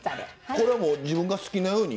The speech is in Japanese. これはもう自分が好きなように？